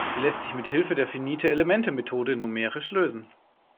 Sie lässt sich mit Hilfe der Finite-Elemente-Methode numerisch lösen.